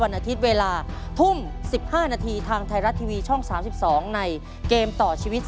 อาทิตย์เวลาทุ่ม๑๕นาทีทางไทยรัฐทีวีช่อง๓๒ในเกมต่อชีวิต